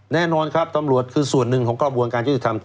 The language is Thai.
แน่นอนครับตำรวจคือส่วนหนึ่งของกระบวนการยุติธรรม